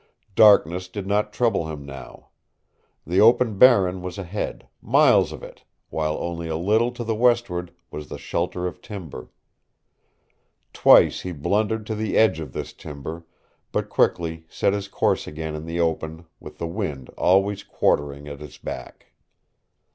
Darkness did not trouble him now. The open barren was ahead, miles of it, while only a little to the westward was the shelter of timber. Twice he blundered to the edge of this timber, but quickly set his course again in the open, with the wind always quartering at his back.